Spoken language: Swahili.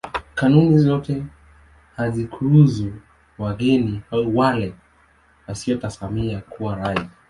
Kanuni zote hazikuhusu wageni au wale wasiotazamiwa kuwa raia.